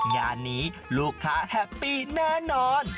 งานนี้ลูกค้าแฮปปี้แน่นอน